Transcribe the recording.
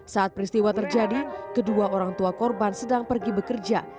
saat peristiwa terjadi kedua orang tua korban sedang pergi bekerja